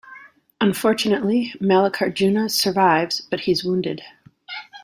Unfortunately, Mallikarjuna survives, but he's wounded.